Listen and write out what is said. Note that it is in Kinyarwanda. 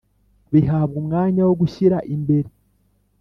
bihabwa umwanya aho gushyira imbere